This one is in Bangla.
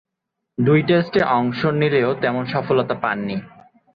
দুই টেস্টে অংশ নিলেও তেমন সফলতা পাননি।